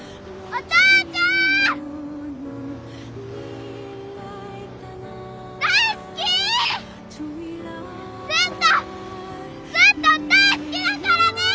お父ちゃん！